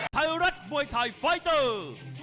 ไทยรัฐมวยไทยไฟเตอร์